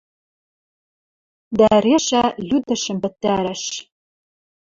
Дӓ решӓ лӱдӹшӹм пӹтӓрӓш.